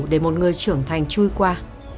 để một người trưởng thành chui qua